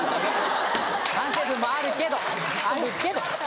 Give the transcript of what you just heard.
反省文もあるけどあるけど。